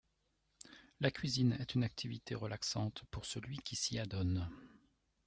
La cuisine est une activité relaxante pour celui qui s'y adonne